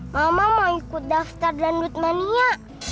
mama mau ikut daftar dangdut mania